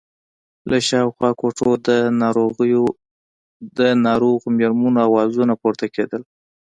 له شاوخوا کوټو د ناروغو مېرمنو آوازونه پورته کېدل.